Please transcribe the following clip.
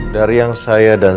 dari yang saya dan